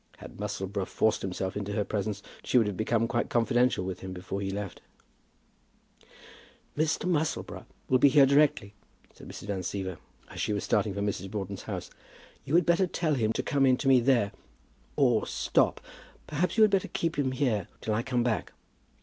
Had Musselboro forced himself into her presence, she would have become quite confidential with him before he left her. "Mr. Musselboro will be here directly," said Mrs. Van Siever, as she was starting for Mrs. Broughton's house. "You had better tell him to come to me there; or, stop, perhaps you had better keep him here till I come back.